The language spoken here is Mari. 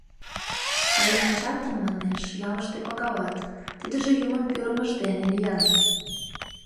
«Тыйын ачатым, манеш, ялыште пагалат, тидыже юмын пӱрымыж дене лийын».